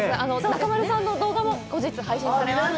中丸さんの動画も後日配信されます。